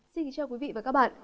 xin kính chào quý vị và các bạn